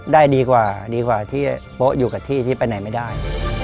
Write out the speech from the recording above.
ได้ดีกว่าดีกว่าที่โป๊ะอยู่กับที่ที่ไปไหนไม่ได้